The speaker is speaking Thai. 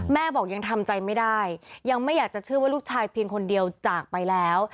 แม่บอกยังทำใจไม่ได้ยังไม่อยากจะเชื่อว่าลูกชายเพียงคนเดียวจากไปแล้ว